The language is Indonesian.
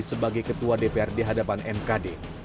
sebagai ketua dpr di hadapan mkd